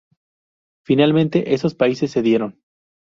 Finalmente, esos países cedieron.